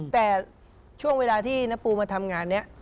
แต่ช่วงเวลาที่น้าปูมาทำงานนี้